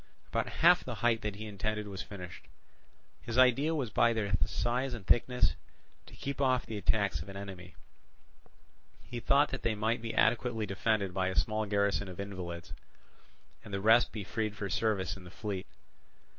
About half the height that he intended was finished. His idea was by their size and thickness to keep off the attacks of an enemy; he thought that they might be adequately defended by a small garrison of invalids, and the rest be freed for service in the fleet.